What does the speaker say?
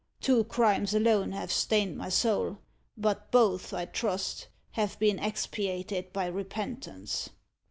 Two crimes alone have stained my soul; but both, I trust, have been expiated by repentance."